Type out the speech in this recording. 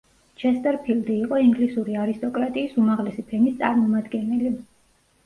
ჩესტერფილდი იყო ინგლისური არისტოკრატიის უმაღლესი ფენის წარმომადგენელი.